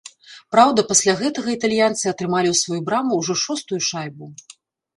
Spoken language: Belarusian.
Праўда, пасля гэтага італьянцы атрымалі ў сваю браму ўжо шостую шайбу.